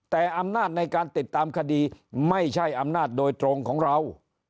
แต่อำนาจในการติดตามคดีไม่ใช่อำนาจโดยตรงของเรา